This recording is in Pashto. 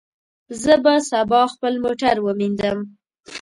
زه به سبا خپل موټر ومینځم.